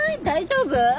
大丈夫？